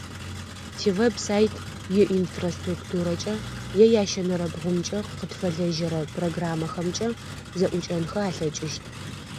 Тивеб-сайт иинфраструктурэкӏэ, е ящэнэрэ бгъумкӏэ къытфэлэжьэрэ программэхэмкӏэ зэӏукӏэнхэ алъэкӏыщт.